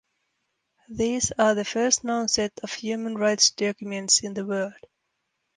These are the first known set of human rights documents in the world.